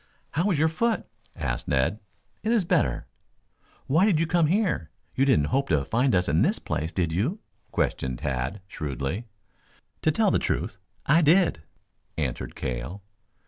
"How is your foot?" asked Ned. "It is better." "Why did you come here? You didn't hope to find us in this place, did you!" questioned Tad shrewdly. "To tell the truth, I did," answered Cale.